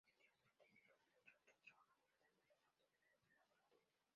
Su objetivo es proteger los derechos de los trabajadores ante las autoridades laborales.